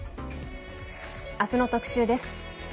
あすの特集です。